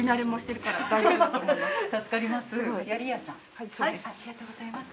はいそうです。